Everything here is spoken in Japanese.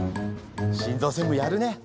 心ぞう専務やるね。